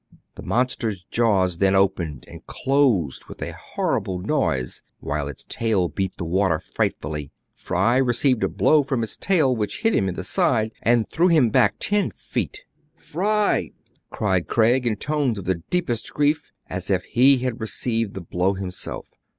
The monster's jaws then opened and closed with a horrible noise, while its tail beat the water frightfully. Fry received a blow front its tail, which hit him in the side, and threw him back ten feet. " Fry !cried Craig, in tones of the deepest grief, as if he had received the blow himself.